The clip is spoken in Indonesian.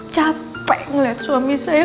capek ngeliat suami saya